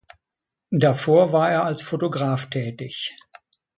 Davor war er als Fotograf tätig.